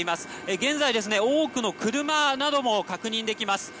現在、多くの車なども確認できます。